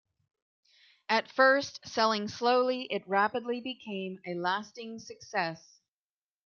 At first selling slowly, it rapidly became a lasting success.